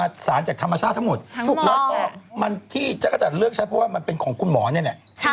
ทั้งหมดแล้วก็มันที่จักรจันทร์เลือกใช้เพราะว่ามันเป็นของคุณหมอเนี่ยเนี่ย